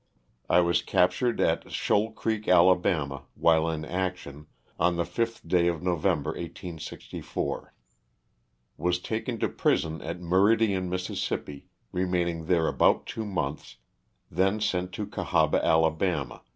I was captured at Shoal Creek, Ala., while in action, on the 5th day of November, 1864. Was taken to prison at Meridian, Miss., remaining there about two months, thence sent to Cahaba, Ala.